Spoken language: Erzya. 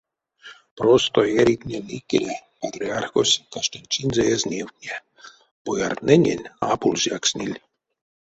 Простой эрийтнень икеле патриархось каштанчинзэ эзь невтне, бояртнэнень а пульзякшныль.